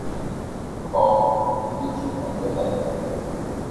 খ. বিনিয়োগসংক্রান্ত দায়িত্ব